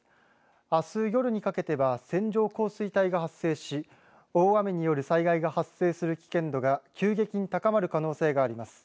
あす夜にかけては線状降水帯が発生し大雨による災害が発生する危険度が急激に高まる可能性があります。